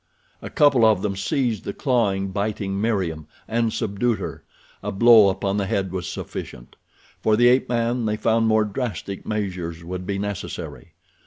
A couple of them seized the clawing, biting Meriem, and subdued her—a blow upon the head was sufficient. For the ape man they found more drastic measures would be necessary.